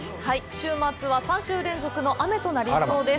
週末は３週連続の雨となりそうです。